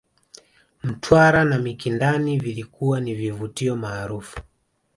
Mtwara na Mikindani vilikuwa ni vituo maarufu